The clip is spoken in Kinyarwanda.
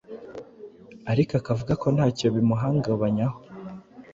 Ariko akavuga ko ntacyo bimuhungabanyaho